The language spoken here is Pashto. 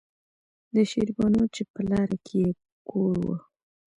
شېربانو چې پۀ لاره کښې يې کور وۀ